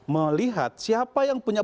melihat siapa yang punya